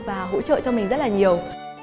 và hỗ trợ cho mình rất là nhiều